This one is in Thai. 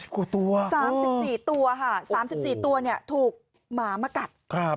กว่าตัว๓๔ตัวค่ะ๓๔ตัวเนี่ยถูกหมามากัด